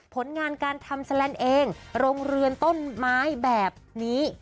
ผลงานการทำแลนด์เองโรงเรือนต้นไม้แบบนี้